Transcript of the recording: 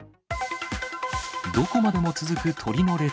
どこまでも続く鳥の列。